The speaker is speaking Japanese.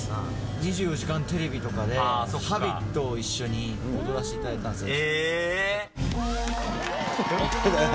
２４時間テレビとかでＨａｂｉｔを一緒に踊らせていただいたんですけど。